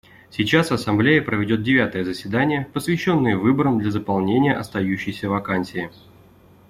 Сейчас Ассамблея проведет девятое заседание, посвященное выборам для заполнения остающейся вакансии.